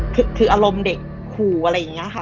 คืออารมณ์เด็กขู่อะไรอย่างนี้ค่ะ